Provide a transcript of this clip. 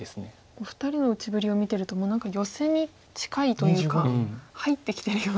お二人の打ちぶりを見てるともう何かヨセに近いというか入ってきてるような。